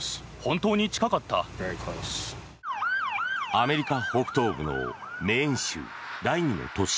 アメリカ北東部のメーン州第２の都市